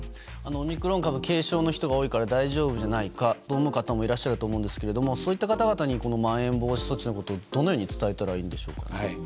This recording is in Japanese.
オミクロン株軽症の人が多いから大丈夫じゃないかと思う方もいらっしゃると思いますがそういった方々にまん延防止措置のことをどのように伝えたらいいんでしょうか。